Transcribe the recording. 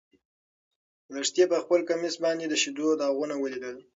لښتې په خپل کمیس باندې د شيدو داغونه ولیدل.